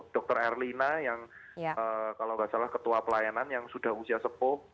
dr erlina yang kalau nggak salah ketua pelayanan yang sudah usia sepuh